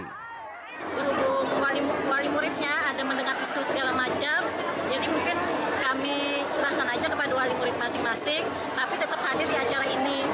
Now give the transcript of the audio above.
saya berhubung wali muridnya ada mendengar isu segala macam jadi mungkin kami serahkan aja kepada wali murid masing masing tapi tetap hadir di acara ini